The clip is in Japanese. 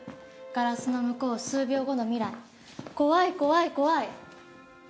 ガラスの向こう数秒後の未来怖い怖い怖い。